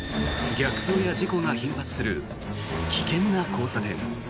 逆走や事故が頻発する危険な交差点。